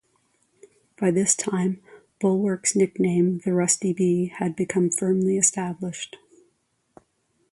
By this time, "Bulwark"s nickname "The Rusty B" had become firmly established.